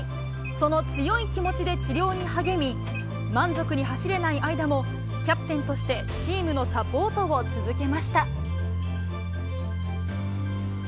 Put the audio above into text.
その強い気持ちで治療に励み、満足に走れない間も、キャプテンとして、チームのサポートを続けました。